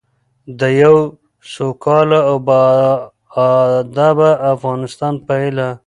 د یوه سوکاله او باادبه افغانستان په هیله.